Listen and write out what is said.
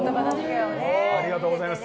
ありがとうございます。